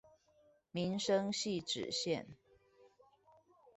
民生汐止線